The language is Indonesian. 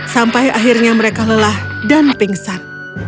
sampai akhirnya mereka lelah dan pingsan